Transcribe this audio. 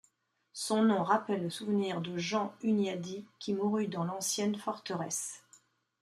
Son nom rappelle le souvenir de Jean Hunyadi qui mourut dans l'ancienne forteresse.